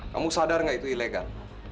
kamu sadar nggak itu ilegal